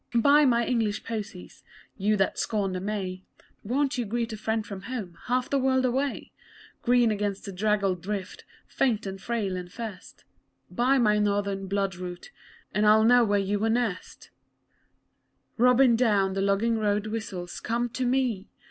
_ Buy my English posies! You that scorn the May, Won't you greet a friend from home Half the world away? Green against the draggled drift, Faint and frail and first Buy my Northern blood root And I'll know where you were nursed: Robin down the logging road whistles, Come to me!'